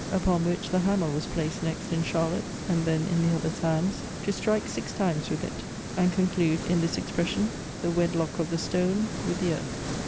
Upon which the hammer was placed next in Charlotte's, and then in the others' hands, to strike six times with it, and conclude, in this expression, the wedlock of the stone with the earth.